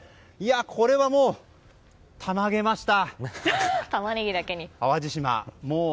これはもう「たま」げました！